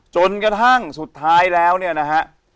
จนกระทั่งสุดท้ายแล้วเนี่ยนะฮะ